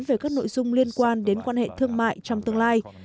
về các nội dung liên quan đến quan hệ thương mại trong tương lai